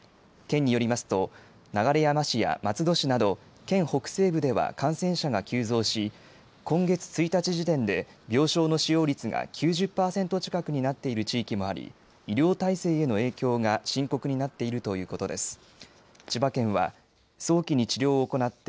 県によりますと、流山市や松戸市など、県北西部では感染者が急増し、今月１日時点で病床の使用率が９０％近くになっている地域もあり、医療体制への影響が深刻になっているということです。